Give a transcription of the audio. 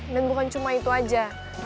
dan bukan cuma itu aja